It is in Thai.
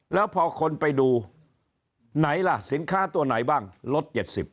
แล้วพอคนไปดูไหนล่ะสินค้าตัวไหนบ้างลด๗๐